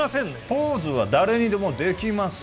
ポーズは誰にでもできます